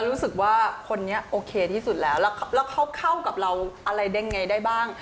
รู้สึกว่าคนนี้โอเคที่สุดแล้วแล้วเขาเข้ากับเราอะไรได้ไงได้บ้าง